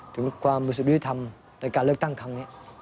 ถึงความประสุทธิภัณฑ์ในการเลือกตั้งครั้งนี้